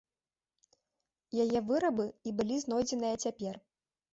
Яе вырабы і былі знойдзеныя цяпер.